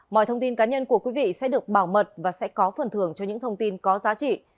mọi thông tin cá nhân của quý vị sẽ được bảo mật và sẽ có phần thưởng cho những thông tin có giá trị